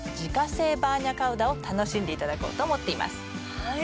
はい。